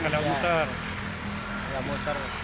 tidak lewat muter